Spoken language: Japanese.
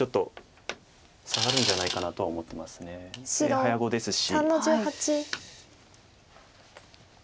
早碁ですし。